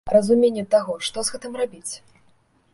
А разуменне таго, што з гэтым рабіць?